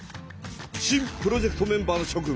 新プロジェクトメンバーのしょ君。